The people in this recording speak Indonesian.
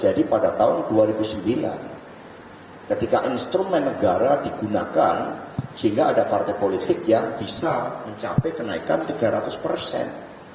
jadi pada tahun dua ribu sembilan ketika instrumen negara digunakan sehingga ada partai politik yang bisa mencapai kenaikan tiga ratus persen